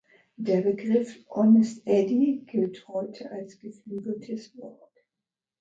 Der Begriff „Honest Eddie“ gilt heute als geflügeltes Wort.